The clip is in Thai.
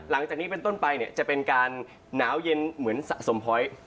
หลังจากนี้เป็นต้นไปเนี่ยจะเป็นการหนาวเย็นเหมือนสะสมพ้อย